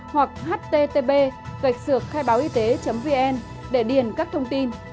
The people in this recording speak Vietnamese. hoặc http sưckhoẻtoàndân vn để điền các thông tin